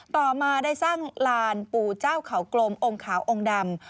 ต่อมาได้สร้างลานปู่เจ้าเขากลมองค์ขาวองค์ดำ